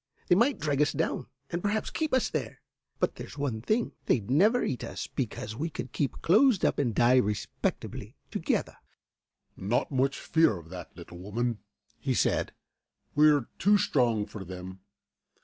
They might drag us down and perhaps keep us there; but there's one thing, they'd never eat us, because we could keep closed up and die respectably together." "Not much fear of that, little woman," he said, "we're too strong for them.